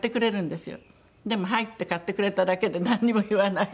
でも「はい」って買ってくれただけでなんにも言わない。